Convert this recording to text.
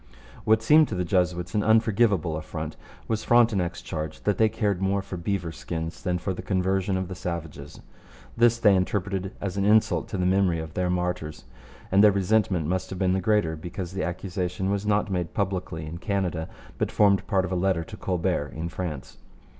What seemed to the Jesuits an unforgivable affront was Frontenac's charge that they cared more for beaver skins than for the conversion of the savages. This they interpreted as an insult to the memory of their martyrs, and their resentment must have been the greater because the accusation was not made publicly in Canada, but formed part of a letter to Colbert in France.